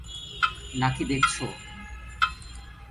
না কী দেখছো?